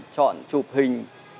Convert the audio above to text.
chọn chụp hình